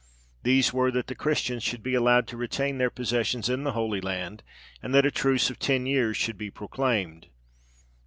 These were, that the Christians should be allowed to retain their possessions in the Holy Land, and that a truce of ten years should be proclaimed.